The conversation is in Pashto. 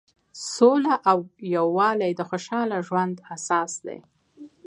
سوله او یووالی د خوشحاله ژوند اساس دی.